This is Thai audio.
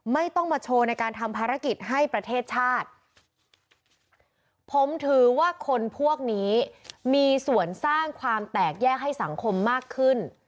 ไม่ต้องมาโชว์ในการทำภารกิจให้ประเทศชาติผมถือว่าคนพวกนี้มีส่วนสร้างความแตกแยกให้สังคมมากขึ้น